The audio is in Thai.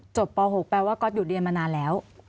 จบป๖แปลว่าก็อยู่แล้วมานานแล้ว